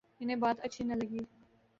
انہیں بات اچھی نہ لگی۔